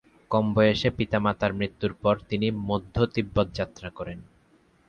কম বয়সে পিতামাতার মৃত্যুর পর তিনি মধ্য তিব্বত যাত্রা করেন।